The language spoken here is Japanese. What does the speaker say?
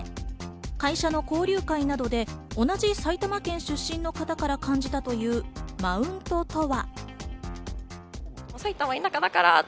会社の交流会などで同じ埼玉県出身の方から感じたというマウントとは？